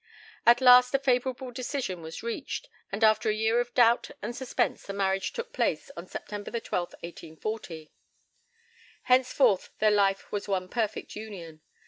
At last a favourable decision was reached, and after a year of doubt and suspense the marriage took place on September 12, 1840. Henceforth their life was one perfect union.